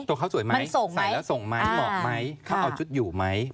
ตัวเขาสวยไหมใส่แล้วส่งไหมเหมาะไหมเขาเอาชุดอยู่ไหม